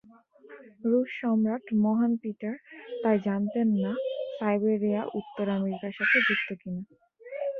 রুশ সম্রাট মহান পিটার তাই জানতেন না সাইবেরিয়া উত্তর আমেরিকার সাথে যুক্ত কি না।